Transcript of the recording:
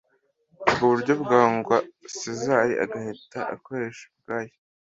ubwo buryo bwangwa sezar igahita ikoresha ubwayo